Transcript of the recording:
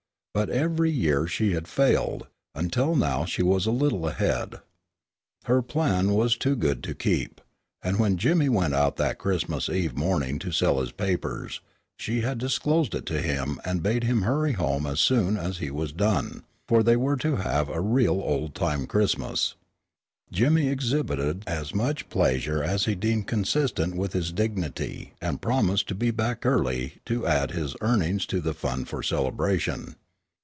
But every year she had failed, until now she was a little ahead. Her plan was too good to keep, and when Jimmy went out that Christmas eve morning to sell his papers, she had disclosed it to him and bade him hurry home as soon as he was done, for they were to have a real old time Christmas. Jimmy exhibited as much pleasure as he deemed consistent with his dignity and promised to be back early to add his earnings to the fund for celebration.